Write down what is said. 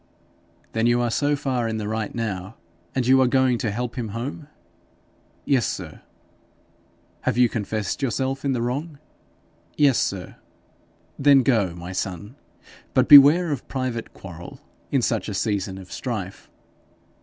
'Then you are so far in the right now. And you are going to help him home?' 'Yes, sir.' 'Have you confessed yourself in the wrong?' 'Yes, sir.' 'Then go, my son, but beware of private quarrel in such a season of strife.